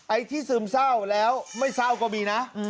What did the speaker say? ไอ้ที่ซึมเศร้าแล้วไม่เศร้าก็มีนะ